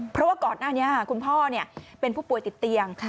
เพราะว่าก่อนหน้านี้คุณพ่อเป็นผู้ป่วยติดเตียง